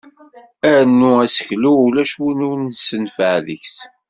Arnu aseklu ulac win ur nessenfeɛ deg-s.